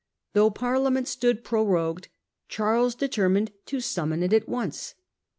Though Parliament stood prorogued, Charles determined to summon it at once.